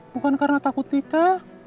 bukan karena takut tika